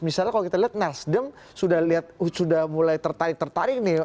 misalnya kalau kita lihat nasdem sudah mulai tertarik terang